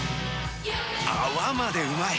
泡までうまい！